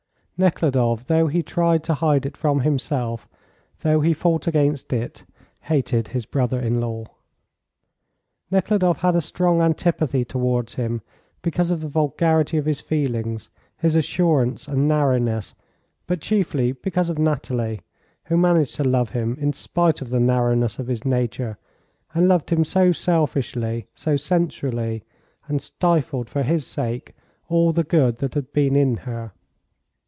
Nekhludoff, though he tried to hide it from himself, though he fought against it, hated his brother in law. Nekhludoff had a strong antipathy towards him because of the vulgarity of his feelings, his assurance and narrowness, but chiefly because of Nathalie, who managed to love him in spite of the narrowness of his nature, and loved him so selfishly, so sensually, and stifled for his sake all the good that had been in her.